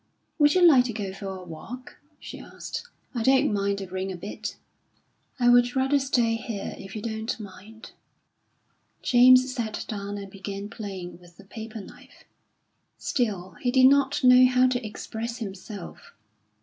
"Would you like to go for a walk?" she asked. "I don't mind the rain a bit." "I would rather stay here, if you don't mind." James sat down and began playing with a paper knife. Still he did not know how to express himself.